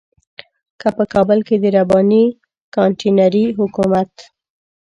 که په کابل کې د رباني کانتينري حکومت.